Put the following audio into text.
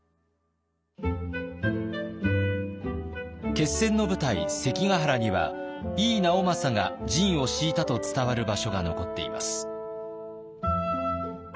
決戦の舞台関ヶ原には井伊直政が陣を敷いたと伝わる場所が残っています。